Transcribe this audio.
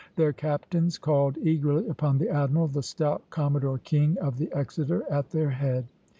Their captains called eagerly upon the admiral, the stout Commodore King of the "Exeter" at their head.